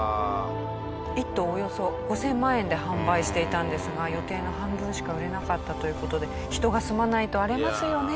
一戸およそ５０００万円で販売していたんですが予定の半分しか売れなかったという事で人が住まないと荒れますよね。